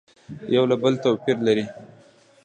یو له بله تو پیر لري